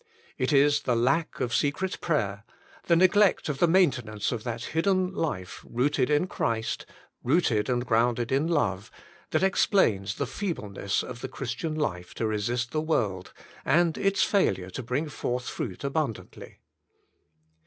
It is the lack of secret prayer, the neglect of the maintenance of that hidden life "Booted in Christ," "Eooted and grounded in love," that explains the feebleness of the Christian life to resist the world, and its failure to bring forth fruit abundantly.